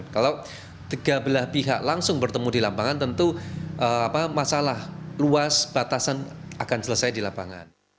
kalau tiga belah pihak langsung bertemu di lapangan tentu masalah luas batasan akan selesai di lapangan